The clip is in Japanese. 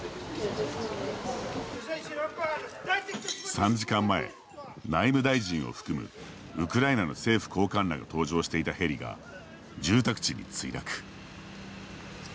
３時間前内務大臣を含むウクライナの政府高官らが搭乗していたヘリが住宅地に墜落。